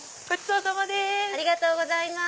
ありがとうございます。